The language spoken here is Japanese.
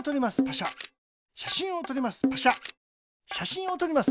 しゃしんをとります。